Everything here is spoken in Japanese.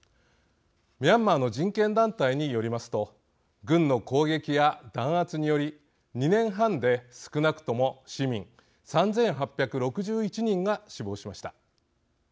ミャンマーの人権団体によりますと軍の攻撃や弾圧により２年半で少なくとも市民３，８６１人が死亡しました。